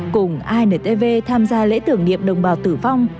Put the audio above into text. cùng intv tham gia lễ tưởng niệm đồng bào tử vong